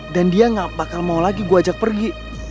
dan dia gak bakal mau lagi gue ajak pergi